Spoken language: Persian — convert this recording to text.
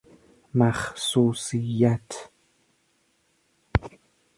مخصوصیت